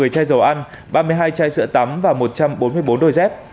một mươi chai dầu ăn ba mươi hai chai sữa tắm và một trăm bốn mươi bốn đôi dép